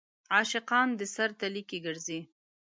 عاشقان د سر تلي کې ګرځي.